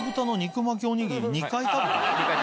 ２回食べました。